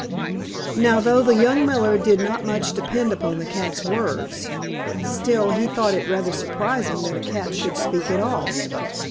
Now, though the young miller did not much depend upon the cat's words, still he thought it rather surprising that a cat should speak at all.